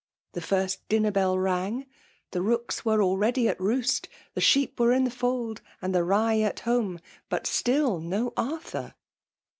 The first dinner bell rang; the rooks were already at roost; the f sheep were in the fauld> and the rye at hame," but still no Arthur.